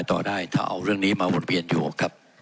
พี่ปรายต่อได้ถ้าเอาเรื่องนี้มาบริเวณอยู่ครับ